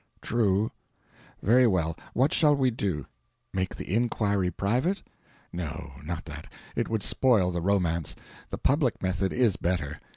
"True. Very well, what shall we do make the inquiry private? No, not that; it would spoil the romance. The public method is better.